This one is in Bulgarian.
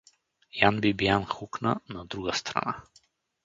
Ян Бибиян хукна на друга страна.